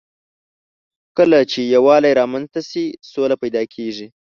کله چې یووالی رامنځ ته شي، سوله پيدا کېږي.